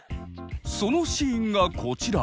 そのシーンがこちら！